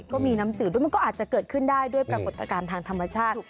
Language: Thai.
ก็มีน้ำจืดด้วยมันก็อาจจะเกิดขึ้นได้ด้วยปรากฏการณ์ทางธรรมชาติ